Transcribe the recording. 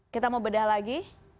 kita mau bedah lagi